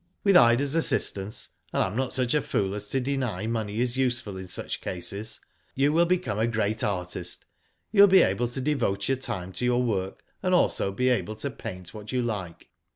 With Ida's assistance, and I am not such a fool as to deny money is useful in such cases, you will become a great artist. You will be able to devote your time to your work, and also be able to paint what you like.